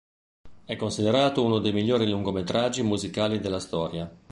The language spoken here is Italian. È considerato uno dei migliori lungometraggi musicali della storia.